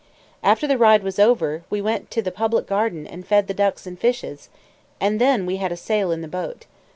After the ride was over, we went to the Public Garden and fed the ducks and fishes, and then we had a sail in the boat.